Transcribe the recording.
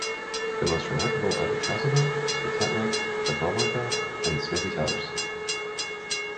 The most remarkable are the Chasuble, the Tent-like, the Vologda, and the Smithy towers.